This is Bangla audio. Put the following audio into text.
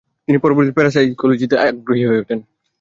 তিনি পরবর্তীতে প্যারাসাইকোলজিতে আগ্রহী হয়ে ওঠেন।